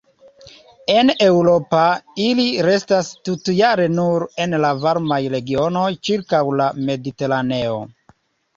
En Eŭropa ili restas tutjare nur en la varmaj regionoj ĉirkaŭ la Mediteraneo.